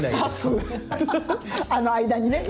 あの間にね